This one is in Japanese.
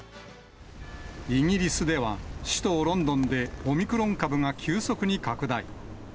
イギリスでは、首都ロンドンで、オミクロン株が急速に拡大。